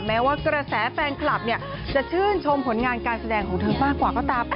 แม้ว่ากระแสแฟนคลับจะชื่นชมผลงานการแสดงของเธอมากกว่าก็ตามไป